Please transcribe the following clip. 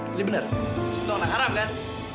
jadi bener kita anak haram kan